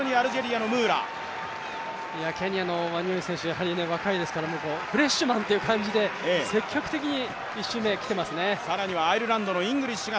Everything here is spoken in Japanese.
ケニアのワニョンイ選手、若いですからフレッシュマンという感じで積極的に一瞬できていますね。